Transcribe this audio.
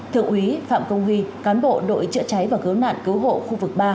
thượng úy phạm công huy cán bộ đội chữa cháy và cứu nạn cứu hộ khu vực ba